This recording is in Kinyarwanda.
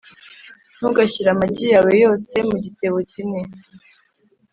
ntugashyire amagi yawe yose mu gitebo kimwe